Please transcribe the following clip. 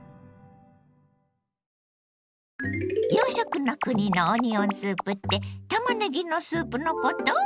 洋食の国のオニオンスープってたまねぎのスープのこと？